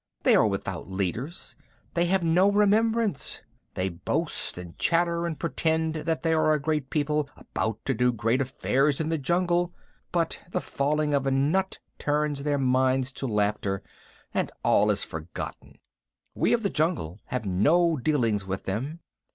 They are without leaders. They have no remembrance. They boast and chatter and pretend that they are a great people about to do great affairs in the jungle, but the falling of a nut turns their minds to laughter and all is forgotten. We of the jungle have no dealings with them.